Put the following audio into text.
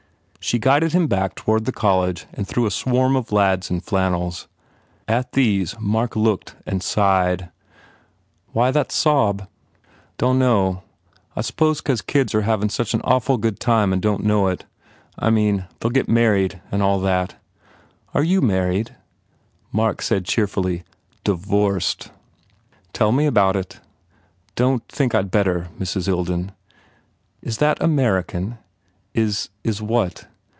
She guided him back toward the college and through a swarm of lads in flannels. At these Mark looked and sighed. "Why that sob?" "Dunno. I s pose because kids are havin such an awful good time and don t know it. I mean they ll get married and all that." "Are you married?" Mark said cheerfully, "Divorced." "Tell me about it." "D don t think I d better, Mrs. Ilden." "Is that American?" "Is is what?"